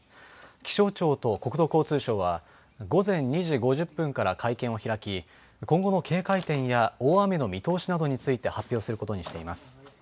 気象庁と国土交通省は午前２時５０分から会見を開き今後の警戒点や大雨の見通しなどについて発表することにしています。